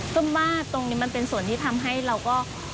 ส้มว่าตรงนี้มันเป็นส่วนที่ทำให้เราก็